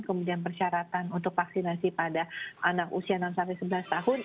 kemudian persyaratan untuk vaksinasi pada anak usia enam sebelas tahun